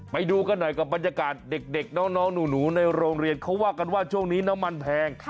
ไปดูกันหน่อยกับบรรยากาศเด็กน้องหนูในโรงเรียนเขาว่ากันว่าช่วงนี้น้ำมันแพง